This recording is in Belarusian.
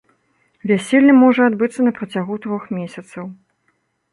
Вяселле можа адбыцца на працягу трох месяцаў.